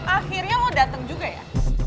akhirnya lo dateng juga ya